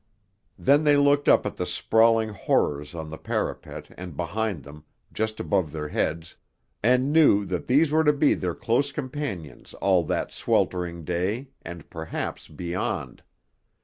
Then they looked up at the sprawling horrors on the parapet and behind them just above their heads, and knew that these were to be their close companions all that sweltering day, and perhaps beyond.